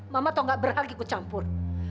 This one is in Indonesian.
mama tau nggak berhati kucampur